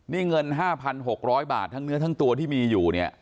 นี่เงิน๕๖๐๐บาททั้งเนื้อทั้งตัวที่มีอยู่เนี่ย